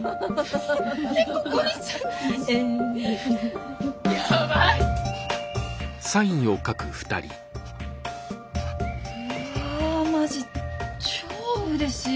うわマジ超うれしい。